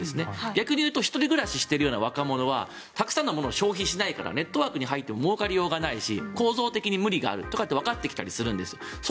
逆に１人暮らしをする若者は物を消費しないからネットワークに入ってももうかりようがないし構造的に無理があるとわかってきたりするんです。